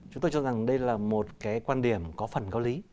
chúng tôi cho rằng đây là một cái quan điểm có phần có lý